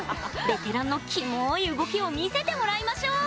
ベテランのキモい動きを見せてもらいましょう。